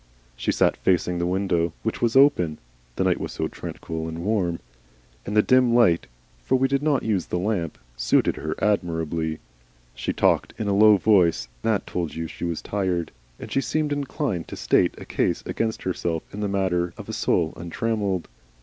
She sat facing the window, which was open (the night was so tranquil and warm), and the dim light for we did not use the lamp suited her admirably. She talked in a voice that told you she was tired, and she seemed inclined to state a case against herself in the matter of "A Soul Untrammelled."